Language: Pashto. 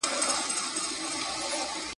مطالعه ذهن تازه کوي.